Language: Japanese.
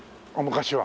昔は。